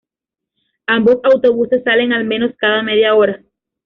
Ambos autobuses salen al menos cada media hora.